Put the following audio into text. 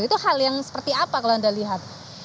itu hal yang seperti apa kalau anda lihat